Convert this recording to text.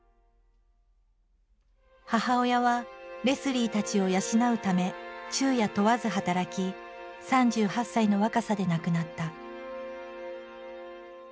母親はレスリーたちを養うため昼夜問わず働き３８歳の若さで亡くなった。